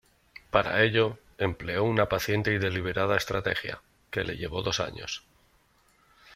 Para ello, empleó una paciente y deliberada estrategia, que le llevó dos años.